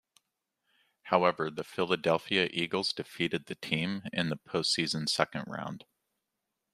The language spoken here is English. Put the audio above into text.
However, the Philadelphia Eagles defeated the team in the postseason's second round.